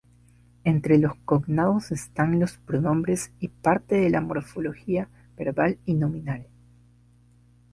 Entre los cognados están los pronombres y parte de la morfología verbal y nominal.